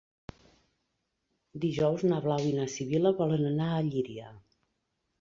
Dijous na Blau i na Sibil·la volen anar a Llíria.